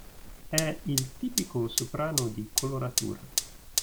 È il tipico soprano di coloratura.